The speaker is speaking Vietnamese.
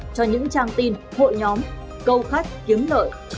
cho những trang tin hội nhóm câu khách kiếm lợi